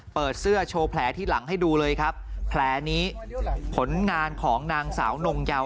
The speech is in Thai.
เปิดเสื้อโชว์แผลที่หลังให้ดูเลยครับแผลนี้ผลงานของนางสาวนงเยา